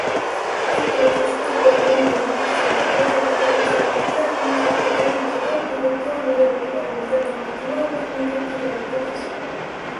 Ettevõtluskõrgkooli Mainor magistrandi Kaido Kabrali sõnul ei tea inimesed, et Tallinnas ja Tartus võib drooni lennutada ainult Lennuameti loaga ning ette teavitades.